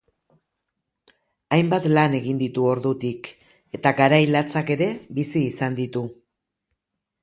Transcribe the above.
Hainbat lan egin ditu ordutik eta garai latzak ere bizi izan ditu.